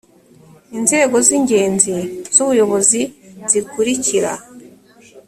inzego z ingenzi z ubuyobozi zikurikira